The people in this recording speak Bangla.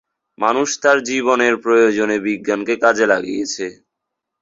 মানুষ তার জীবনের প্রয়োজনে বিজ্ঞানকে কাজে লাগিয়েছে।